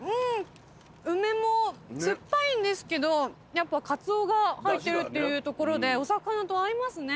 梅も酸っぱいんですけどやっぱカツオが入っているというところでお魚と合いますね。